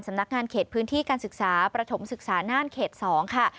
นักงานเขตพื้นที่การศึกษาประถมศึกษาน่านเขต๒ค่ะ